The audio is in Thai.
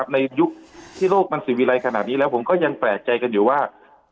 ในยุคที่โลกมันสื่อวิรัยขนาดนี้แล้วผมก็ยังแปลกใจกันอยู่ว่า